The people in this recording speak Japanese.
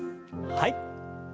はい。